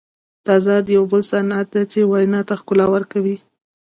تضاد یو بل صنعت دئ، چي وینا ته ښکلا ورکوي.